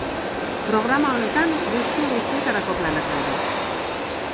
Programa honetan, gustu guztietarako planak daude.